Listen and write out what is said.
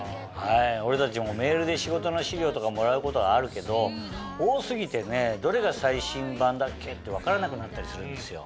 俺たちもメールで仕事の資料とかもらうことあるけど多過ぎてどれが最新版だっけって分からなくなったりするんですよ。